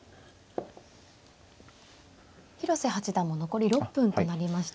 広瀬八段も残り６分となりました。